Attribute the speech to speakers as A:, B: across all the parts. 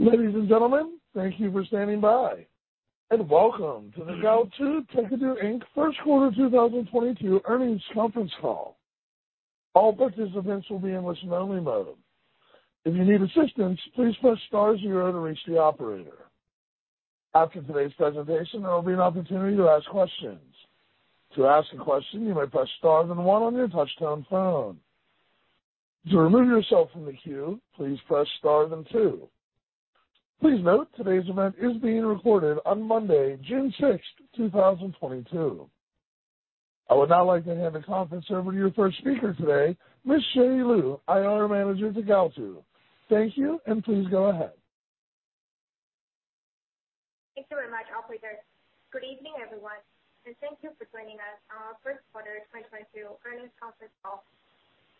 A: Ladies and gentlemen, thank you for standing by, and welcome to the Gaotu Techedu Inc. first quarter 2022 earnings conference call. All participants will be in listen only mode. If you need assistance, please press star zero to reach the operator. After today's presentation, there will be an opportunity to ask questions. To ask a question, you may press star then one on your touchtone phone. To remove yourself from the queue, please press star then two. Please note, today's event is being recorded on Monday, June 6, 2022. I would now like to hand the conference over to your first speaker today, Ms. Sherry Liu, IR Manager, Gaotu. Thank you, and please go ahead.
B: Thank you very much, operator. Good evening, everyone, and thank you for joining us on our first quarter 2022 earnings conference call.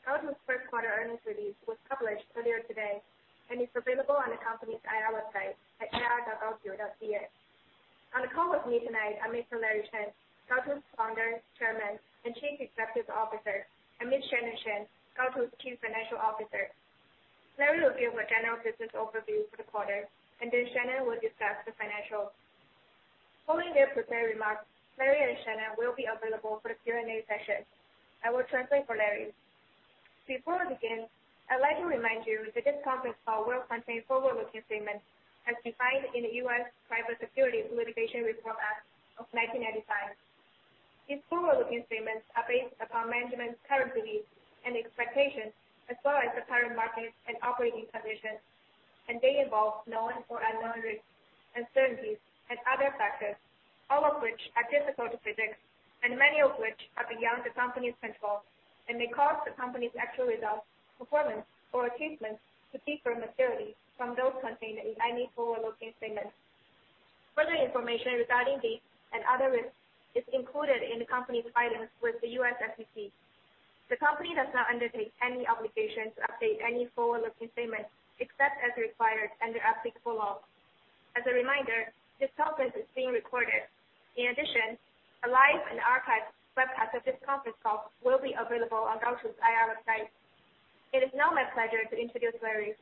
B: Gaotu's first quarter earnings release was published earlier today and is available on the company's IR website at ir.gaotu.cn. On the call with me tonight are Mr. Larry Chen, Gaotu's Founder, Chairman, and Chief Executive Officer, and Ms. Shannon Shen, Gaotu's Chief Financial Officer. Larry will give a general business overview for the quarter, and then Shannon will discuss the financials. Following their prepared remarks, Larry and Shannon will be available for the Q&A session. I will translate for Larry. Before we begin, I'd like to remind you that this conference call will contain forward-looking statements as defined in the U.S. Private Securities Litigation Reform Act of 1995. These forward-looking statements are based upon management's current beliefs and expectations as well as the current market and operating conditions. They involve known or unknown risks, uncertainties and other factors, all of which are difficult to predict and many of which are beyond the company's control. May cause the company's actual results, performance or achievements to differ materially from those contained in any forward-looking statements. Further information regarding these and other risks is included in the company's filings with the U.S. SEC. The company does not undertake any obligation to update any forward-looking statements, except as required under applicable law. As a reminder, this conference is being recorded. In addition, a live and archived webcast of this conference call will be available on Gaotu's IR website. It is now my pleasure to introduce Larry.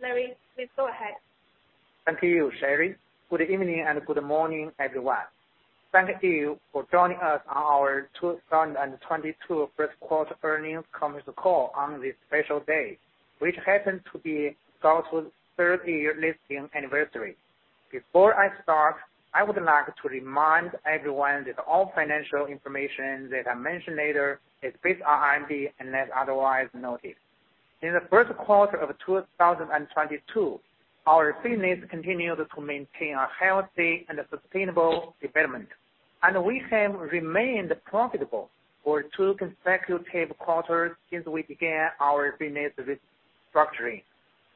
B: Larry, please go ahead.
C: Thank you, Sherry. Good evening and good morning, everyone. Thank you for joining us on our 2022 first quarter earnings conference call on this special day, which happens to be Gaotu's third year listing anniversary. Before I start, I would like to remind everyone that all financial information that I mention later is based on RMB unless otherwise noted. In the first quarter of 2022, our business continued to maintain a healthy and sustainable development, and we have remained profitable for two consecutive quarters since we began our business restructuring.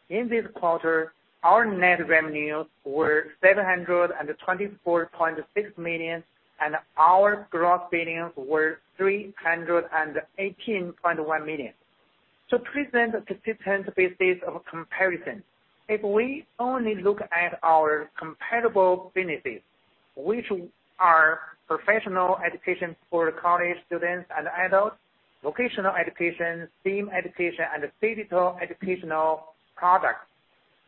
C: In this quarter, our net revenues were 724.6 million, and our gross billings were 318.1 million. To present a consistent basis of comparison, if we only look at our comparable businesses, which are professional education for college students and adults, vocational education, STEAM education, and digital educational products,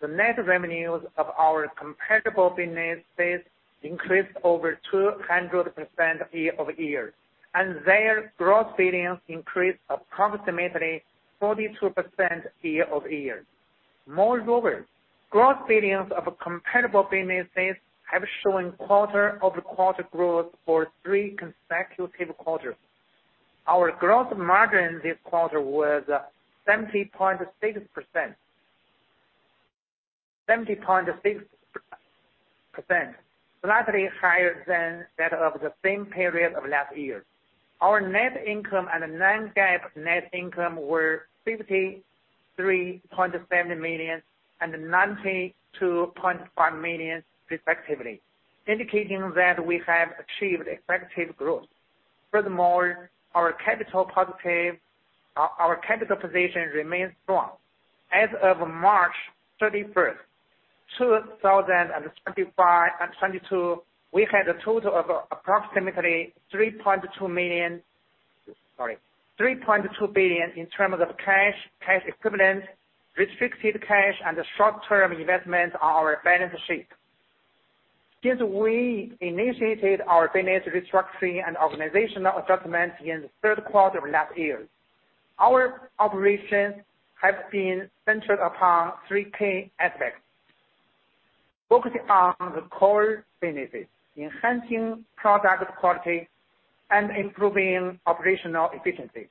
C: the net revenues of our comparable businesses increased over 200% year-over-year, and their gross billings increased approximately 42% year-over-year. Moreover, gross billings of comparable businesses have shown quarter-over-quarter growth for three consecutive quarters. Our gross margin this quarter was 70.6%. 70.6%, slightly higher than that of the same period of last year. Our net income and the non-GAAP net income were 53.7 million and 92.5 million respectively, indicating that we have achieved effective growth. Furthermore, our capital position remains strong. As of March 31, 2022, we had a total of approximately 3.2 billion in terms of cash equivalents, restricted cash, and short-term investments on our balance sheet. Since we initiated our business restructuring and organizational adjustments in the third quarter of last year, our operations have been centered upon three key aspects, focusing on the core businesses, enhancing product quality, and improving operational efficiency.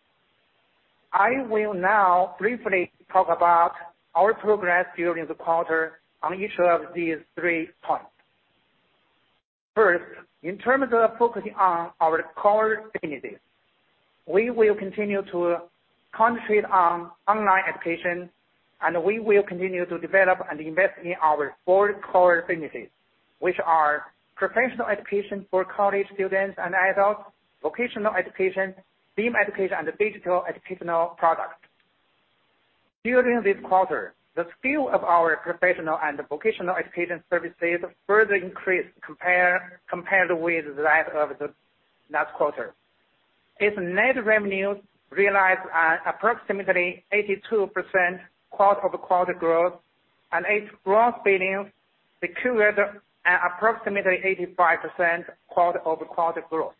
C: I will now briefly talk about our progress during the quarter on each of these three points. First, in terms of focusing on our core businesses, we will continue to concentrate on online education, and we will continue to develop and invest in our four core businesses, which are professional education for college students and adults, vocational education, STEAM education, and digital educational products. During this quarter, the scale of our professional and vocational education services further increased compared with that of the last quarter. Its net revenues realized at approximately 82% quarter-over-quarter growth, and its gross billings secured at approximately 85% quarter-over-quarter growth.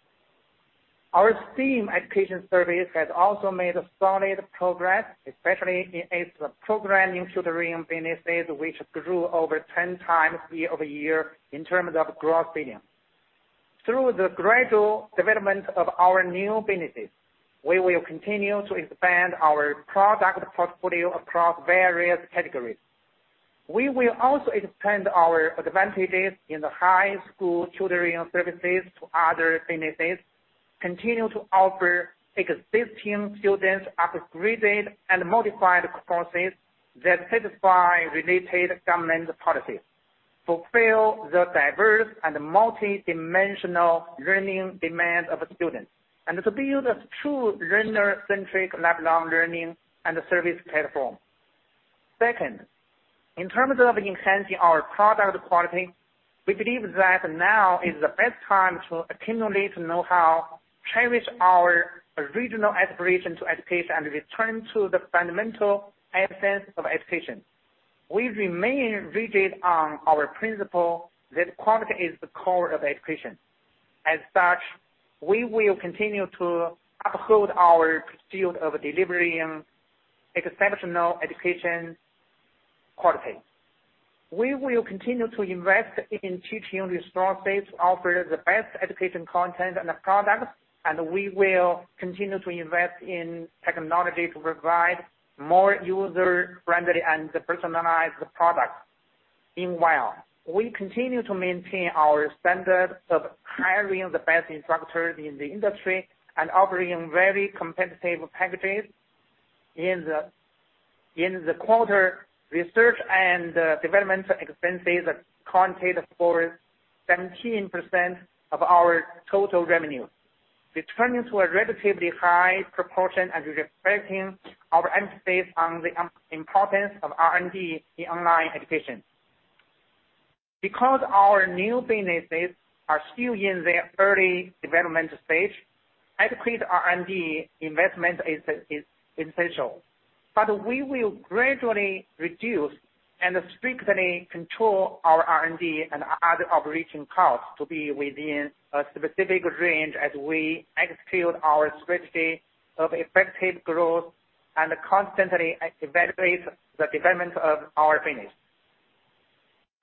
C: Our STEAM education service has also made solid progress, especially in its programming tutoring businesses, which grew over 10 times year-over-year in terms of gross billings. Through the gradual development of our new businesses, we will continue to expand our product portfolio across various categories. We will also expand our advantages in the high school tutoring services to other businesses, continue to offer existing students upgraded and modified courses that satisfy related government policies, fulfill the diverse and multi-dimensional learning demands of students, and to build a true learner-centric lifelong learning and service platform. Second, in terms of enhancing our product quality, we believe that now is the best time to accumulate know-how, cherish our original aspiration to education, and return to the fundamental essence of education. We remain rigid on our principle that quality is the core of education. As such, we will continue to uphold our pursuit of delivering exceptional education quality. We will continue to invest in teaching resources to offer the best education content and products, and we will continue to invest in technology to provide more user-friendly and personalized products. Meanwhile, we continue to maintain our standard of hiring the best instructors in the industry and offering very competitive packages. In the quarter, research and development expenses accounted for 17% of our total revenue, returning to a relatively high proportion and reflecting our emphasis on the importance of R&D in online education. Because our new businesses are still in their early development stage, adequate R&D investment is essential. We will gradually reduce and strictly control our R&D and other operating costs to be within a specific range as we execute our strategy of effective growth and constantly evaluate the development of our business.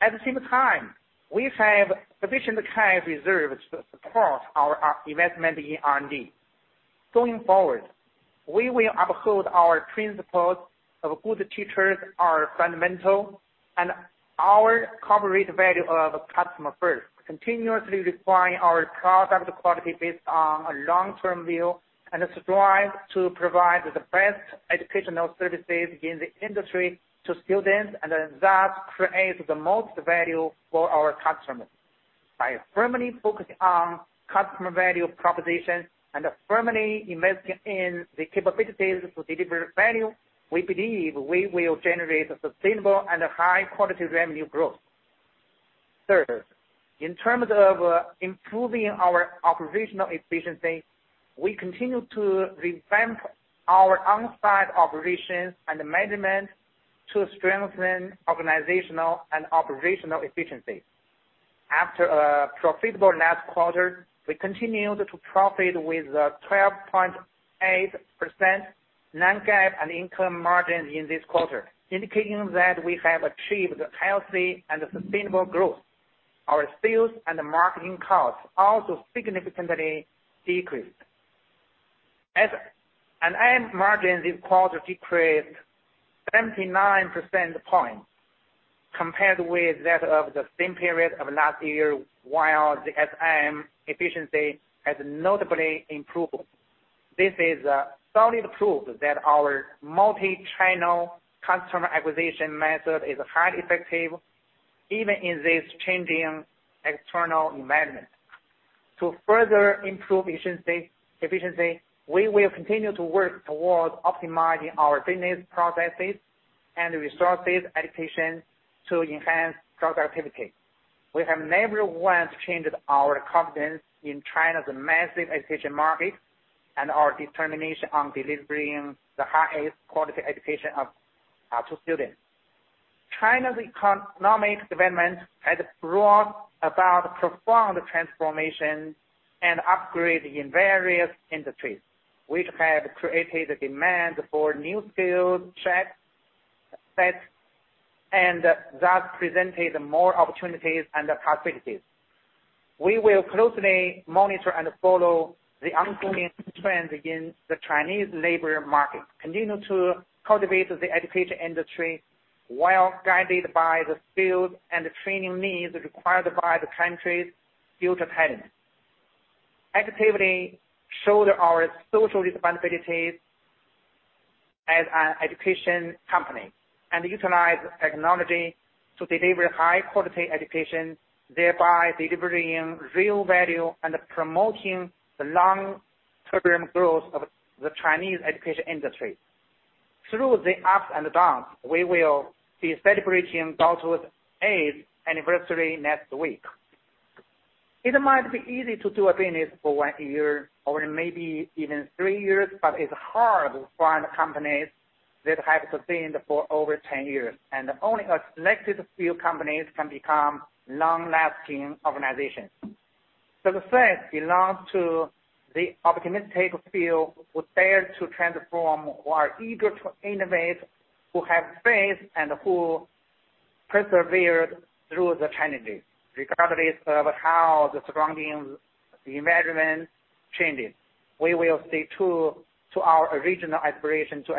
C: At the same time, we have sufficient cash reserves to support our investment in R&D. Going forward, we will uphold our principles of good teachers are fundamental and our corporate value of customer first, continuously refine our product quality based on a long-term view, and strive to provide the best educational services in the industry to students, and thus create the most value for our customers. By firmly focusing on customer value propositions and firmly investing in the capabilities to deliver value, we believe we will generate sustainable and high-quality revenue growth. Third, in terms of improving our operational efficiency, we continue to revamp our on-site operations and management to strengthen organizational and operational efficiency. After a profitable last quarter, we continued to profit with a 12.8% non-GAAP net income margin in this quarter, indicating that we have achieved healthy and sustainable growth. Our sales and marketing costs also significantly decreased. Our ad margin this quarter decreased 79 percentage points compared with that of the same period of last year, while the SM efficiency has notably improved. This is a solid proof that our multi-channel customer acquisition method is highly effective, even in this changing external environment. To further improve efficiency, we will continue to work towards optimizing our business processes and resource allocation to enhance productivity. We have never once changed our confidence in China's massive education market and our determination on delivering the highest quality education of to students. China's economic development has brought about profound transformation and upgrade in various industries, which have created a demand for new skills sets, and thus presented more opportunities and possibilities. We will closely monitor and follow the ongoing trends in the Chinese labor market, continue to cultivate the education industry while guided by the skills and training needs required by the country's future talent. Actively show our social responsibilities as an education company and utilize technology to deliver high-quality education, thereby delivering real value and promoting the long-term growth of the Chinese education industry. Through the ups and downs, we will be celebrating Gaotu's eighth anniversary next week. It might be easy to do a business for one year or maybe even three years, but it's hard to find companies that have sustained for over 10 years, and only a selected few companies can become long-lasting organizations. The fact belongs to the optimistic field who dare to transform, who are eager to innovate, who have faith, and who persevered through the challenges regardless of how the surrounding environment changes. We will stay true to our original aspiration to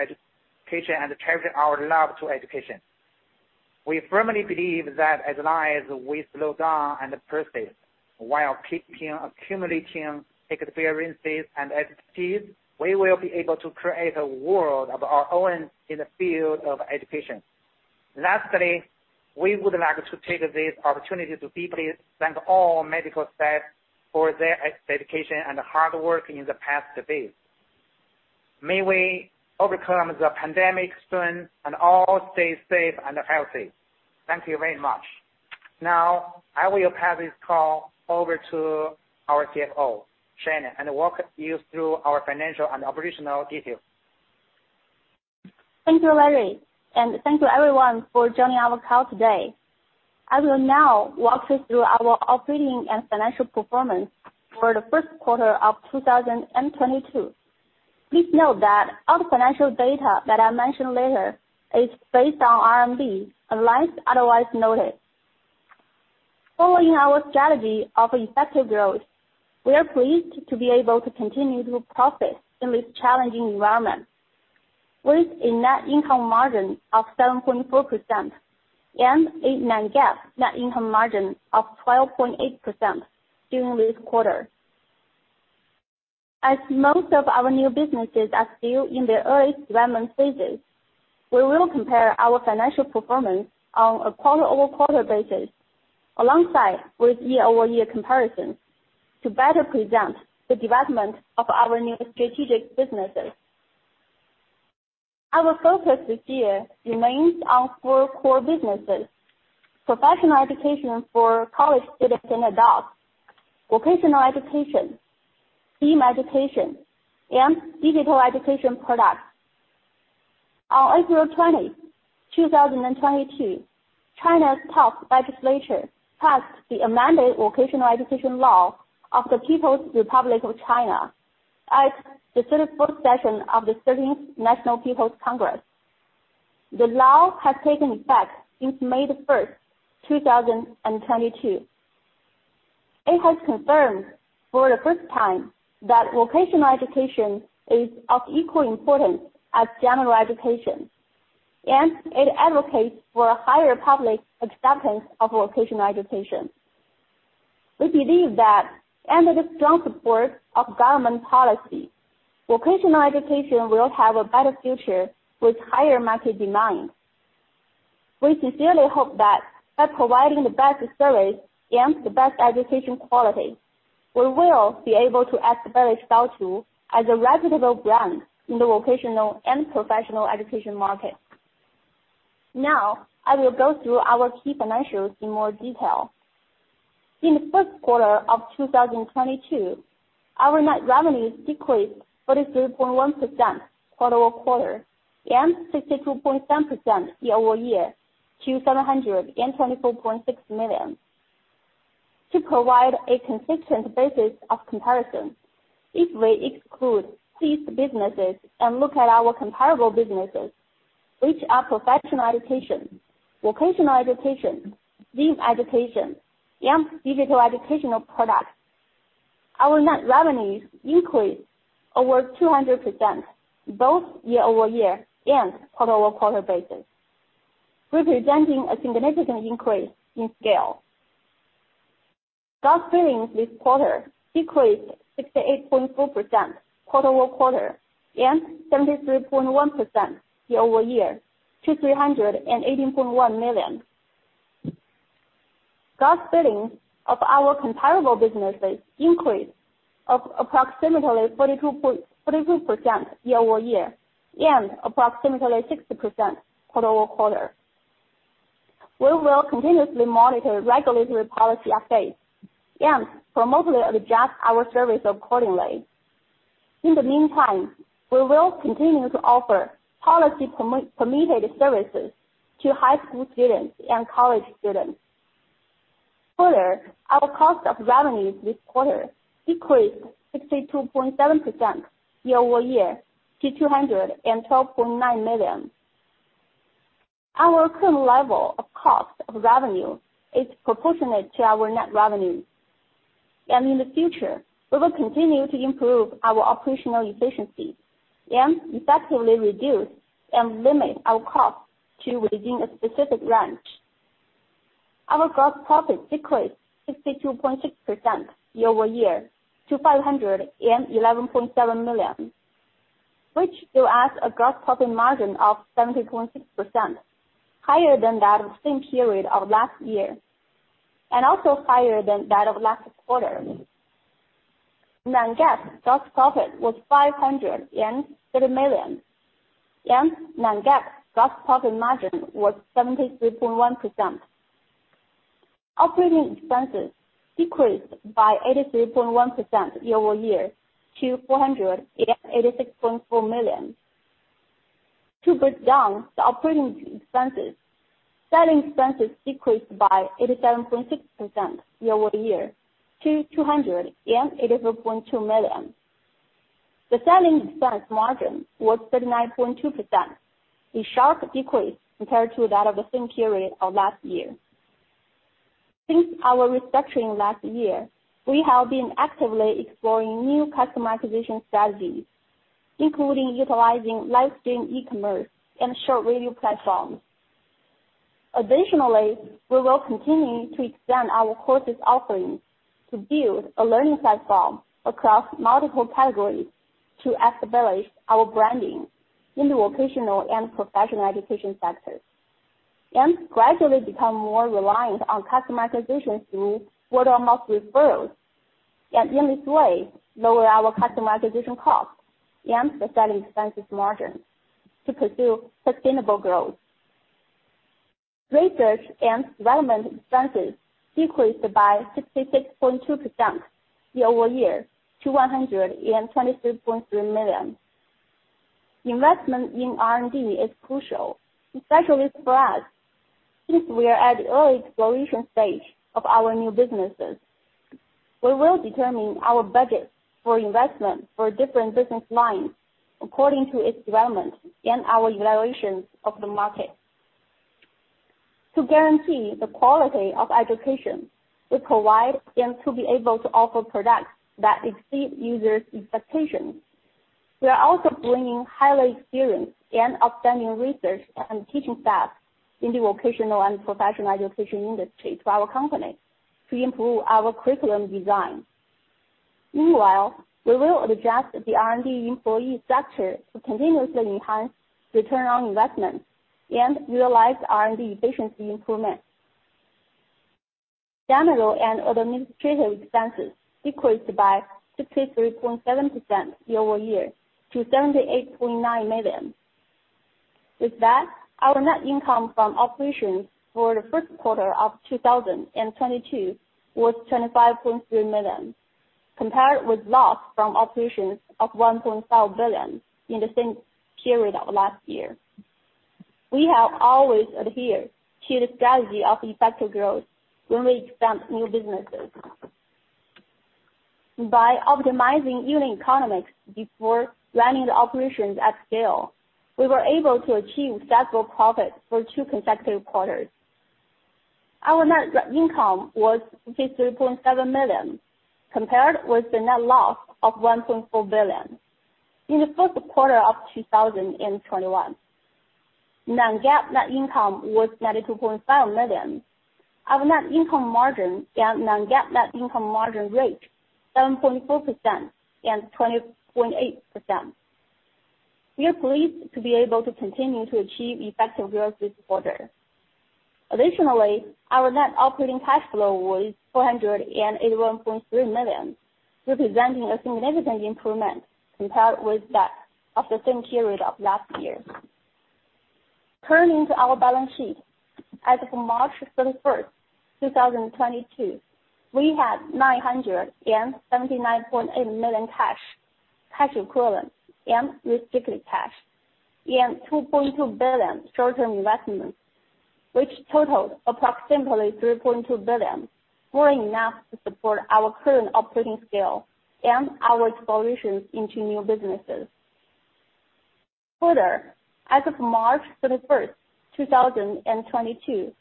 C: education and treasure our love to education. We firmly believe that as long as we slow down and persist while keeping accumulating experiences and expertise, we will be able to create a world of our own in the field of education. Lastly, we would like to take this opportunity to deeply thank all medical staff for their dedication and hard work in the past days. May we overcome the pandemic soon and all stay safe and healthy. Thank you very much. Now, I will pass this call over to our CFO, Shannon, and walk you through our financial and operational details.
D: Thank you, Larry, and thank you everyone for joining our call today. I will now walk you through our operating and financial performance for the first quarter of 2022. Please note that all financial data that I mention later is based on RMB, unless otherwise noted. Following our strategy of effective growth, we are pleased to be able to continue to profit in this challenging environment with a net income margin of 7.4% and a non-GAAP net income margin of 12.8% during this quarter. As most of our new businesses are still in their early development phases, we will compare our financial performance on a quarter-over-quarter basis alongside with year-over-year comparisons to better present the development of our new strategic businesses. Our focus this year remains on four core businesses: professional education for college students and adults, vocational education, STEAM education, and digital education products. On April 20, 2022, China's top legislature passed the amended Vocational Education Law of the People's Republic of China at the 34th session of the 13th National People's Congress. The law has taken effect since May 1, 2022. It has confirmed for the first time that vocational education is of equal importance as general education, and it advocates for a higher public acceptance of vocational education. We believe that under the strong support of government policy, vocational education will have a better future with higher market demand. We sincerely hope that by providing the best service and the best education quality, we will be able to establish Gaotu as a reputable brand in the vocational and professional education market. Now, I will go through our key financials in more detail. In the first quarter of 2022, our net revenues decreased 43.1% quarter-over-quarter and 62.7% year-over-year to 724.6 million. To provide a consistent basis of comparison, if we exclude ceased businesses and look at our comparable businesses, which are professional education, vocational education, STEAM education, and digital educational products, our net revenues increased over 200% both year-over-year and quarter-over-quarter basis, representing a significant increase in scale. Gross billings this quarter decreased 68.4% quarter-over-quarter and 73.1% year-over-year to 318.1 million. Gross billings of our comparable businesses increased by approximately 42% year-over-year and approximately 60% quarter-over-quarter. We will continuously monitor regulatory policy updates and promptly adjust our service accordingly. In the meantime, we will continue to offer policy permitted services to high school students and college students. Further, our cost of revenues this quarter decreased 62.7% year-over-year to 212.9 million. Our current level of cost of revenue is proportionate to our net revenues, and in the future, we will continue to improve our operational efficiency and effectively reduce and limit our costs to within a specific range. Our gross profit decreased 62.6% year-over-year to 511.7 million, which will add a gross profit margin of 70.6% higher than that of the same period of last year, and also higher than that of last quarter. non-GAAP gross profit was CNY 530 million, and non-GAAP gross profit margin was 73.1%. Operating expenses decreased by 83.1% year-over-year to 486.4 million. To break down the operating expenses, selling expenses decreased by 87.6% year-over-year to 284.2 million. The selling expense margin was 39.2%, a sharp decrease compared to that of the same period of last year. Since our restructuring last year, we have been actively exploring new customer acquisition strategies, including utilizing livestream e-commerce and short video platforms. Additionally, we will continue to expand our courses offerings to build a learning platform across multiple categories to establish our branding in the vocational and professional education sectors, and gradually become more reliant on customer acquisitions through word-of-mouth referrals, and in this way, lower our customer acquisition costs and the selling expenses margin to pursue sustainable growth. Research and development expenses decreased by 66.2% year-over-year to 123.3 million. Investment in R&D is crucial, especially for us, since we are at the early exploration stage of our new businesses. We will determine our budget for investment for different business lines according to its development and our evaluations of the market. To guarantee the quality of education we provide and to be able to offer products that exceed users' expectations, we are also bringing highly experienced and outstanding research and teaching staff in the vocational and professional education industry to our company to improve our curriculum design. Meanwhile, we will adjust the R&D employee structure to continuously enhance return on investment and realize R&D efficiency improvements. General and administrative expenses decreased by 63.7% year-over-year to 78.9 million. With that, our net income from operations for the first quarter of 2022 was 25.3 million, compared with loss from operations of 1.4 billion in the same period of last year. We have always adhered to the strategy of effective growth when we expand new businesses. By optimizing unit economics before running the operations at scale, we were able to achieve several profits for two consecutive quarters. Our net income was 53.7 million, compared with the net loss of 1.4 billion. In the first quarter of 2021, non-GAAP net income was 92.5 million. Our net income margin and non-GAAP net income margin rate, 7.4% and 20.8%. We are pleased to be able to continue to achieve effective growth this quarter. Additionally, our net operating cash flow was 481.3 million, representing a significant improvement compared with that of the same period of last year. Turning to our balance sheet, as of March 31, 2022, we had 979.8 million cash equivalents, and restricted cash, and 2.2 billion short-term investments, which totaled approximately 3.2 billion, more than enough to support our current operating scale and our explorations into new businesses. Further, as of March 31, 2022,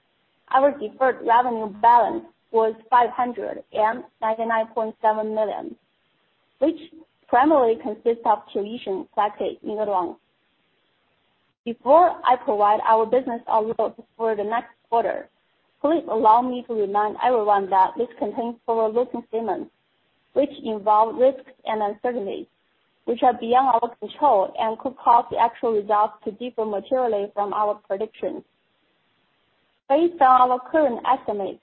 D: our deferred revenue balance was 599.7 million, which primarily consists of tuition collected in advance. Before I provide our business outlook for the next quarter, please allow me to remind everyone that this contains forward-looking statements, which involve risks and uncertainties which are beyond our control and could cause the actual results to differ materially from our predictions. Based on our current estimates,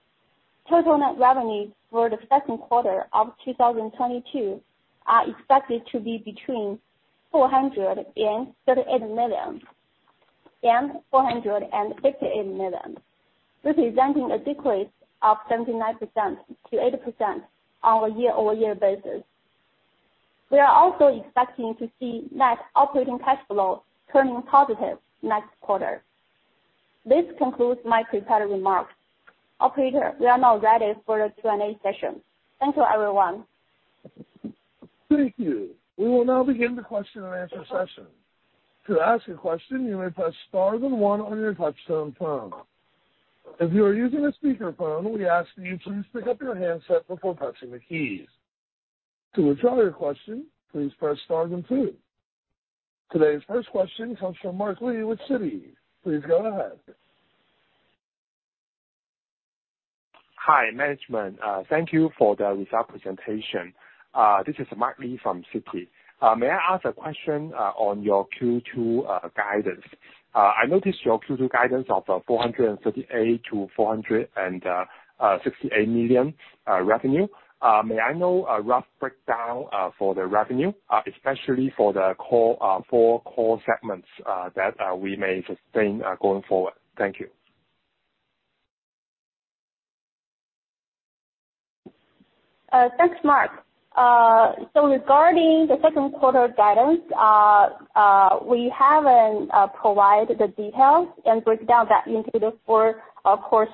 D: total net revenues for the second quarter of 2022 are expected to be between 438 million and 458 million, representing a decrease of 79%-80% on a year-over-year basis. We are also expecting to see net operating cash flow turning positive next quarter. This concludes my prepared remarks. Operator, we are now ready for the Q&A session. Thank you, everyone.
A: Thank you. We will now begin the question and answer session. To ask a question, you may press star then one on your touch-tone phone. If you are using a speakerphone, we ask that you please pick up your handset before pressing the keys. To withdraw your question, please press star then two. Today's first question comes from Mark Li with Citi. Please go ahead.
E: Hi, management. Thank you for the result presentation. This is Mark Li from Citi. May I ask a question on your Q2 guidance? I noticed your Q2 guidance of 438 million-468 million revenue. May I know a rough breakdown for the revenue, especially for the four core segments that we may sustain going forward. Thank you.
D: Thanks, Mark. Regarding the second quarter guidance, we haven't provided the details and breakdown that into the four core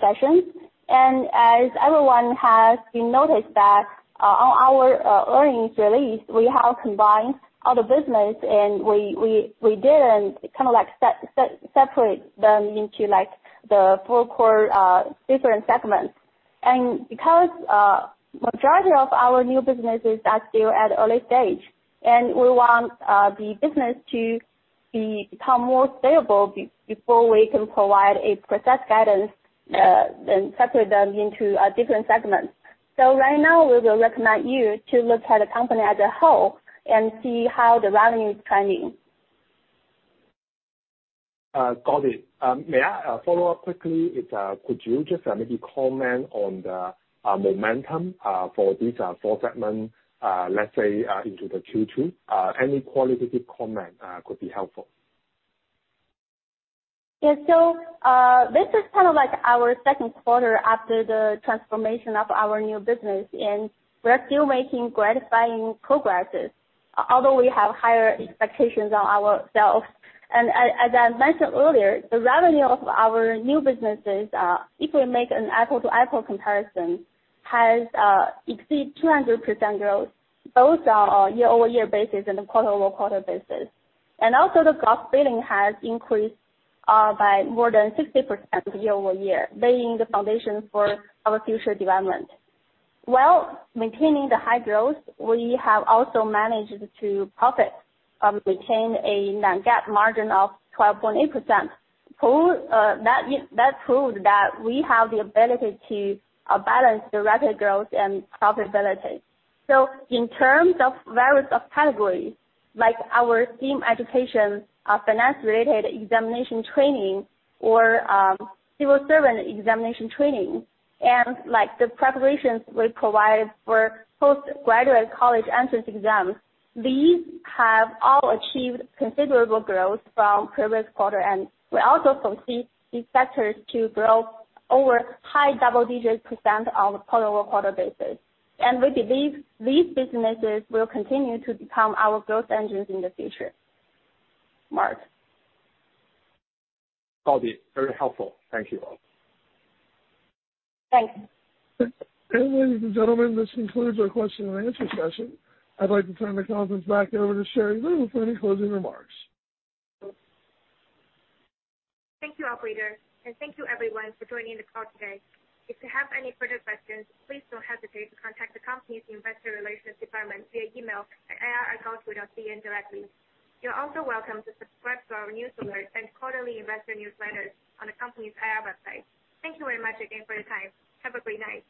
D: segments. As everyone has noticed that on our earnings release, we have combined all the business and we didn't kind of like separate them into like the four core different segments. Because majority of our new businesses are still at early stage, and we want the business to become more stable before we can provide a precise guidance and separate them into different segments. Right now we will recommend you to look at the company as a whole and see how the revenue is trending.
E: Got it. May I follow up quickly? If you could just maybe comment on the momentum for these four segments, let's say, into the Q2? Any qualitative comment could be helpful.
D: Yeah. This is kind of like our second quarter after the transformation of our new business, and we're still making gratifying progress, although we have higher expectations on ourselves. As I mentioned earlier, the revenue of our new businesses, if we make an apples-to-apples comparison, has exceeded 200% growth, both on a year-over-year basis and a quarter-over-quarter basis. The gross billing has increased by more than 60% year-over-year, laying the foundation for our future development. While maintaining the high growth, we have also managed to profit and retain a non-GAAP margin of 12.8%. That proved that we have the ability to balance the rapid growth and profitability. In terms of various subcategories, like our STEAM education, our finance-related examination training or, civil servant examination training and like the preparations we provide for post-graduate college entrance exams, these have all achieved considerable growth from previous quarter, and we also foresee these sectors to grow over high double digits % on a quarter-over-quarter basis. We believe these businesses will continue to become our growth engines in the future.
E: Mark Li. Got it. Very helpful. Thank you all.
D: Thanks.
A: Ladies and gentlemen, this concludes our question and answer session. I'd like to turn the conference back over to Sherry Liu for any closing remarks.
B: Thank you, operator. Thank you everyone for joining the call today. If you have any further questions, please don't hesitate to contact the company's investor relations department via email at ir@gaotu.cn directly. You're also welcome to subscribe to our news alert and quarterly investor newsletters on the company's IR website. Thank you very much again for your time. Have a great night.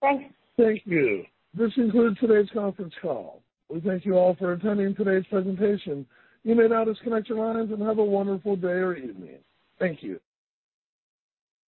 E: Thanks.
A: Thank you. This concludes today's conference call. We thank you all for attending today's presentation. You may now disconnect your lines and have a wonderful day or evening. Thank you.